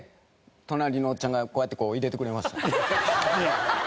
隣のおっちゃんがこうやって入れてくれましたよ。